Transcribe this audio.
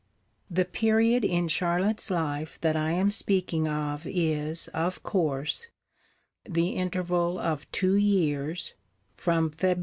The period in Charlotte's life that I am speaking of is, of course, the interval of two years (from Feb.